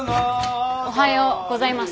おはようございます。